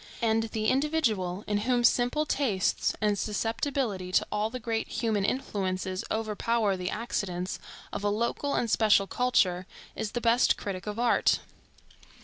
And the individual, in whom simple tastes and susceptibility to all the great human influences overpower the accidents of a local and special culture, is the best critic of art.